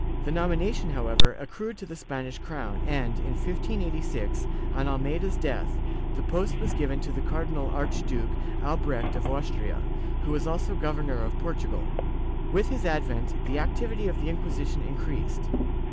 The nomination, however, accrued to the Spanish crown and, in 1586, on Almeida's death, the post was given to the Car dinal Archduke Albrecht of Austria, who was also Governor of Portugal.^ With his advent, the activity of the Inquisition in creased.